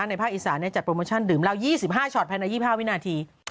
ภาคอีสานจัดโปรโมชั่นดื่มเหล้า๒๕ช็อตภายใน๒๕วินาที